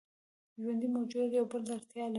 ژوندي موجودات یو بل ته اړتیا لري